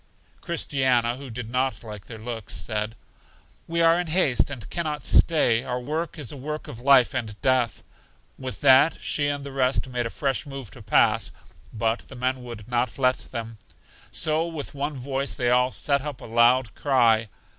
Christiana, who did not like their looks, said, We are in haste, and can not stay; our work is a work of life and death. With that she and the rest made a fresh move to pass, but the men would not let them. So with one voice they all set up a loud cry.